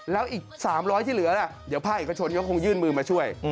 แล้วอีก๓๐๐ที่เหลือเดี๋ยวภาคเอกชนก็คงยื่นมือมาช่วย